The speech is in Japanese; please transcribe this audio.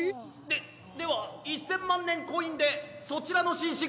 ででは１，０００まんねんコインでそちらのしんし